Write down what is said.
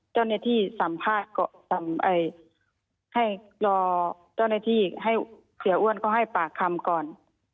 เจ้าหน้าที่สัมภาษณ์ให้รอเจ้าหน้าที่ให้เสียอ้วนเขาให้ปากคำก่อน